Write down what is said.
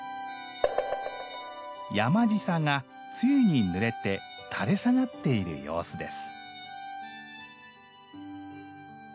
「山ぢさ」が露にぬれて垂れ下がっている様子です。